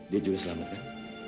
dia juga selamat kan